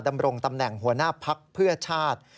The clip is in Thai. ดำรงตำแหน่งหัวหน้าพักเพื่อชาติ